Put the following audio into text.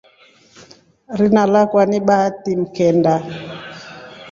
Rina lakwa ni Bahati mkenda.